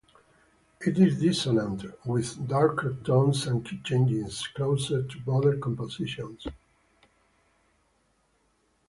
It is dissonant, with darker tones and key changes closer to modern compositions.